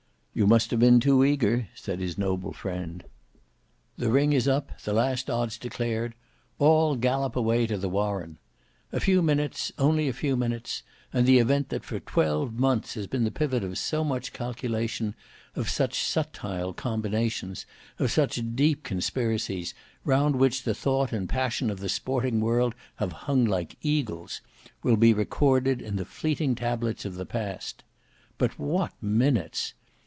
"You must have been too eager," said his noble friend. The ring is up; the last odds declared; all gallop away to the Warren. A few minutes, only a few minutes, and the event that for twelve months has been the pivot of so much calculation, of such subtile combinations, of such deep conspiracies, round which the thought and passion of the sporting world have hung like eagles, will be recorded in the fleeting tablets of the past. But what minutes!